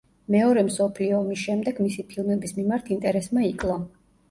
მეორე მსოფლიო ომის შემდეგ მისი ფილმების მიმართ ინტერესმა იკლო.